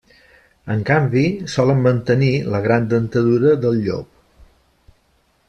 En canvi, solen mantenir la gran dentadura del llop.